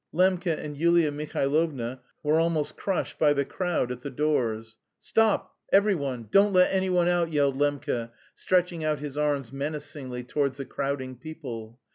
Lembke and Yulia Mihailovna were almost crushed by the crowd at the doors. "Stop, every one! Don't let anyone out!" yelled Lembke, stretching out his arms menacingly towards the crowding people.